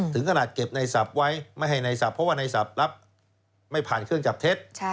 ถึงขนาดเก็บในศัพท์ไว้ไม่ให้ในศัพท์เพราะว่าในศัพท์รับไม่ผ่านเครื่องจับเท็จ